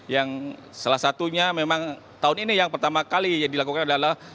yang salah satunya memang tahun ini yang pertama kali dilakukan adalah